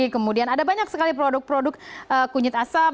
kemudian ada banyak sekali produk produk kunyit asam